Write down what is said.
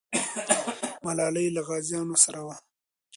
ملالۍ له غازیانو سره وه.